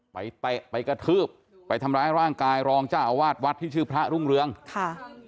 เตะไปกระทืบไปทำร้ายร่างกายรองเจ้าอาวาสวัดที่ชื่อพระรุ่งเรืองค่ะ